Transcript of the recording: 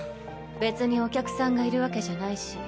別にお客さんがいるわけじゃないし。